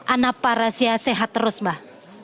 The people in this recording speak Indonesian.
anapa rahasia sehat terus mbak